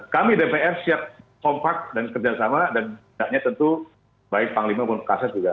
kami dpr siap kompak dan kerjasama dan bidangnya tentu baik panglima dan pak kasad juga